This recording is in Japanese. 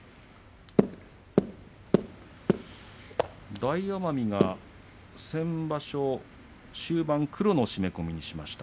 大奄美が先場所、終盤黒の締め込みにしました。